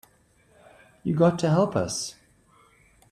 You got to help us.